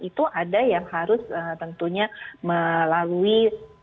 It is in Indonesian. itu ada yang harus tentunya melalui